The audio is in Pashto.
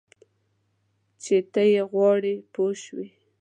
چې ته یې غواړې پوه شوې!.